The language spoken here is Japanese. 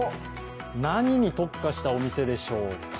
何に特化したお店でしょうか。